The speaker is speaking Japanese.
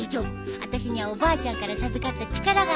あたしにはおばあちゃんから授かった力があるんだ。